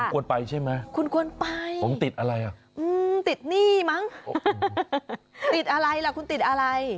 ควรไปใช่ไหมคุณควรไปผมติดอะไรอ่ะติดหนี้มั้งติดอะไรล่ะคุณติดอะไร